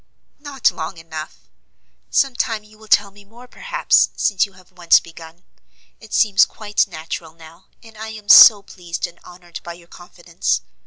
"Not long enough: some time you will tell me more perhaps, since you have once begun. It seems quite natural now, and I am so pleased and honored by your confidence.